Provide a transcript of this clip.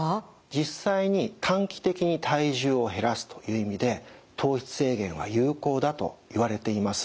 実際に短期的に体重を減らすという意味で糖質制限は有効だといわれています。